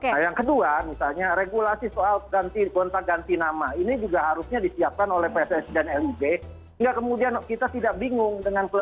nah yang kedua misalnya regulasi soal ganti bontak ganti nama ini juga harusnya disiapkan oleh pss dan lug hingga kemudian kita tidak bingung dengan negatifnya